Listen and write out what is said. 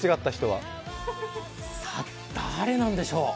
さぁ、誰なんでしょう？